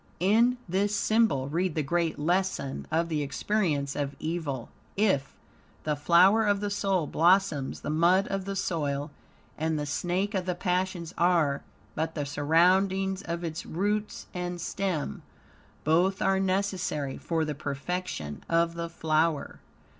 In this symbol read the great lesson of the experience of evil. If, the flower of the soul, blossoms; the mud of the soil and the snake of the passions are but the surroundings of its roots and stem. Both are necessary for the perfection of the flower.